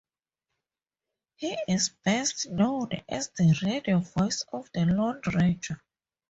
He is best known as the radio voice of the Lone Ranger.